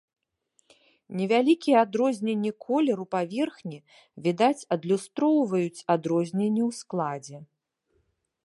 Невялікія адрозненні колеру паверхні, відаць, адлюстроўваюць адрозненні ў складзе.